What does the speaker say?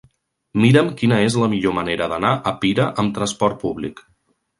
Mira'm quina és la millor manera d'anar a Pira amb trasport públic.